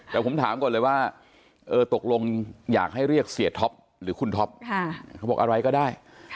แต่ผมถามก่อนเลยว่าตกลงอยากให้เรียกเสียท็อปหรือคุณท็อปเขาบอกอะไรก็ได้